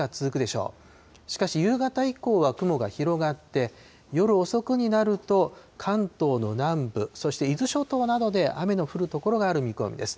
しかし、夕方以降は雲が広がって、夜遅くになると関東の南部、そして伊豆諸島などで雨の降る所がある見込みです。